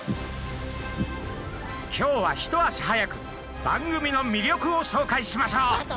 今日は一足早く番組の魅力を紹介しましょう。